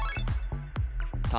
「た」